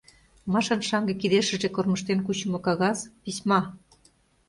Машан шаҥге кидешыже кормыжтен кучымо кагаз — письма.